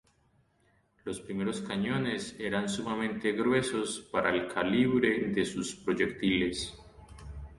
Los primeros cañones eran sumamente gruesos para el calibre de sus proyectiles.